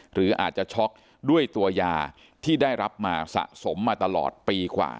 หรืออาจจะช็อกด้วยตัวยาที่ได้รับมาสะสมมาตลอดปีกว่า